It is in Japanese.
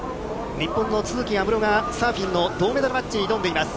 日本の都筑有夢路がサーフィンの銅メダルマッチに挑んでいます。